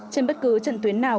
trên bất cứ trận tuyến nào